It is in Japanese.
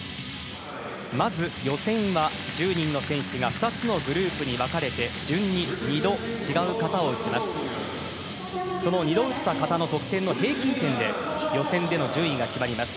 まず、予選は１０人の選手が２つのグループに分かれて順に２度、違う形を見せます。